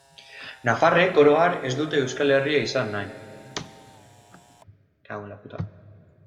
Nafarrek, oro har, ez dute Euskal Herria izan nahi.